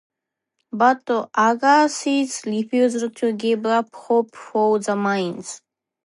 But Agassiz refused to give up hope for the mines.